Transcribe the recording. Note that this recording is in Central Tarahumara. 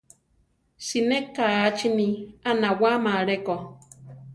Siné kachini a nawáma aleko.